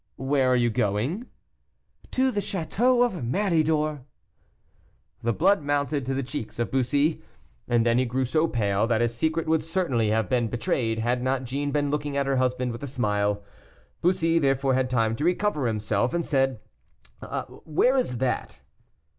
"Where are you going?" "To the château of Méridor." The blood mounted to the cheeks of Bussy, and then he grew so pale, that his secret would certainly have been betrayed, had not Jeanne been looking at her husband with a smile. Bussy therefore had time to recover himself, and said, "Where is that?"